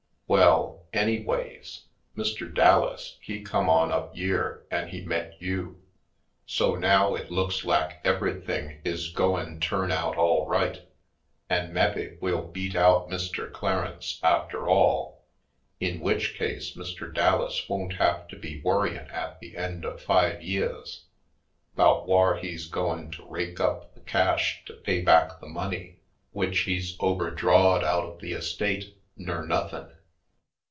Well, anyways, Mr. Dallas he come on up yere an' he met you. So now it looks lak ever'thing is goin' turn out all right, an' mebbe we'll beat out Mr. Clarence after all, in w'ich case Mr. Dallas won't have to be worryin' at the end of five yeahs 'bout whar he's goin' to rake up the cash to pay back the money w'ich he's over drawed out of the estate, nur nuthin'.